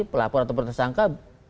pelapor atau penersangka